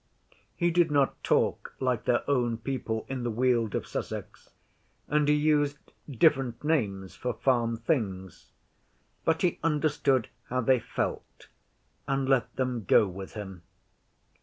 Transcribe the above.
He did not talk like their own people in the Weald of Sussex, and he used different names for farm things, but he understood how they felt, and let them go with him.